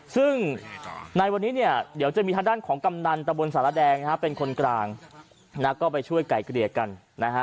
ซึ่งในวันนี้เนี่ยเดี๋ยวจะมีทางด้านของกำนันตะบนสารแดงนะฮะเป็นคนกลางนะก็ไปช่วยไก่เกลี่ยกันนะฮะ